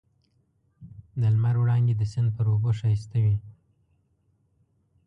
د لمر وړانګې د سیند پر اوبو ښایسته وې.